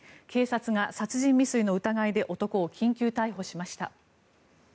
警察が殺人未遂の疑いで男を緊急逮捕しました。